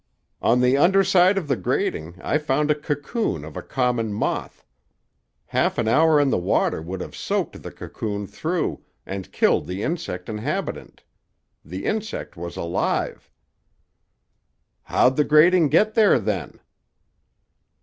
"On the under side of the grating I found a cocoon of a common moth. Half an hour in the water would have soaked the cocoon through and killed the insect inhabitant. The insect was alive." "How'd the grating get there, then?"